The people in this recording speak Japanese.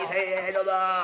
どうぞ！